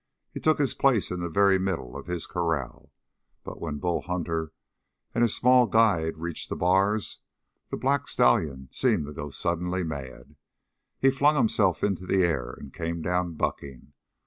He took his place in the very middle of his corral, but when Bull Hunter and his small guide reached the bars, the black stallion seemed to go suddenly mad. He flung himself into the air and came down bucking.